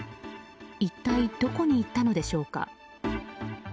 一体どこにいったのでしょうか。